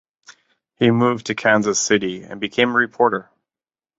He moved to Kansas City and became a reporter.